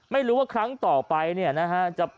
ไม่รู้ว่าครั้งต่อไปเนี่ยนะฮะ